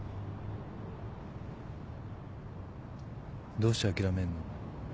どうしてあきらめんの？